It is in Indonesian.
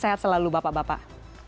sehat selalu bapak bapak